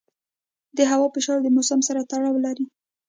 د هوا فشار د موسم سره تړاو لري.